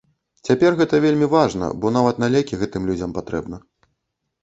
Цяпер гэта вельмі важна, бо нават на лекі гэтым людзям патрэбна.